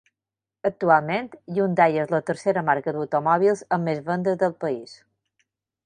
Actualment, Hyundai és la tercera marca d'automòbils amb més vendes del país.